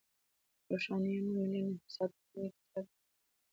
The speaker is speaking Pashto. د روښانیانو ملي نهضت نومي کتاب کې، د بایزید روښان